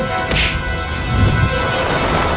aku akan menangkapmu